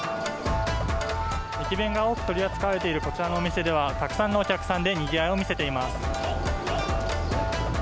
駅弁が多く取り扱われているこちらのお店では、たくさんのお客さんでにぎわいを見せています。